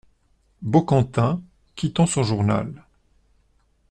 Baucantin , quittant son journal.